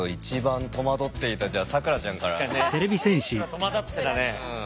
戸惑ってたね。